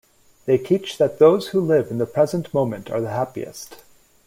They teach that those who live in the present moment are the happiest.